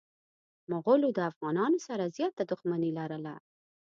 مغولو د افغانانو سره زياته دښمني لرله.